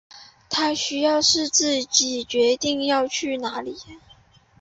他需要是自己决定要去哪里